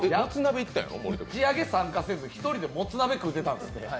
打ち上げ参加せず、１人でもつ鍋食べてたんです。